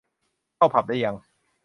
เข้าผับได้ยัง